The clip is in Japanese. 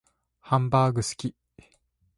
ハンバーグ好き